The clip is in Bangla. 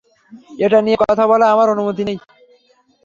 এটা নিয়ে কথা বলার আমার অনুমতি নেই।